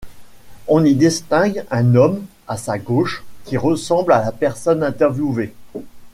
On y distingue un homme à sa gauche qui ressemble à la personne interviewée.